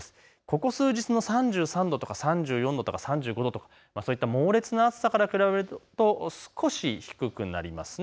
ここ数日の３３度とか３４度とか３５度とかそういった猛烈な暑さから比べると少し低くなりますね。